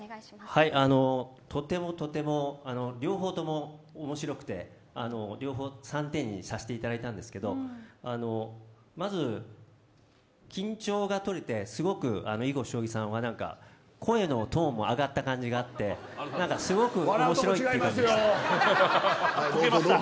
とてもとても両方とも面白くて両方３点にさせていただいたんですけどまず緊張がとれてすごく囲碁将棋さんは声のトーンも上がった感じがあって笑うところ違いますよ。